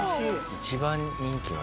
一番人気が。